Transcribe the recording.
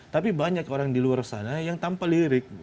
tapi banyak orang di luar sana yang tanpa lirik